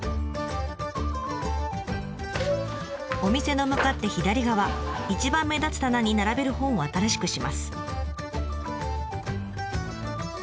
お店の向かって左側一番目立つ棚に並べる本を新しくします。